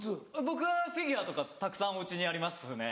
僕はフィギュアとかたくさんお家にありますね。